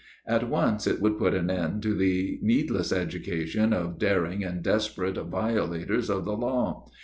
At once it would put an end to the needless education of daring and desperate violators of the law.